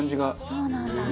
そうなんだ。